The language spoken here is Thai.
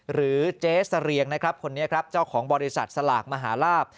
หรือเจ๊เสรียงนะครับคนนี้ครับเจ้าของบริษัทสลากมหาลาบ